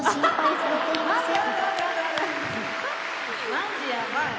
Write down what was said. マジやばい。